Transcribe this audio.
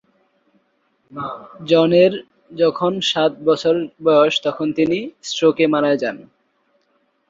জনের যখন সাত বছর বয়স তখন তিনি স্ট্রোকে মারা যান।